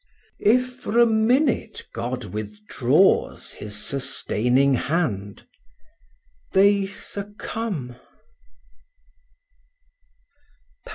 If for a minute God withdraws His sustaining hand, they succumb.